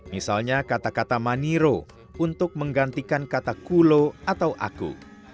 misalnya kata kata maniro untuk menggantikan kata kulo atau aku